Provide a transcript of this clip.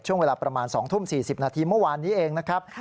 ช่วงเวลาประมาณ๒ทุ่ม๔๐นาทีเมื่อวานนี้เองนะครับ